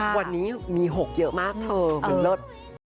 วันนี้มี๖เยอะมากเธอมันเลิศ